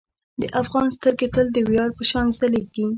د افغان سترګې تل د ویاړ په شان ځلیږي.